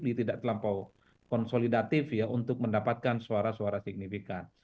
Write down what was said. ini tidak terlampau konsolidatif ya untuk mendapatkan suara suara signifikan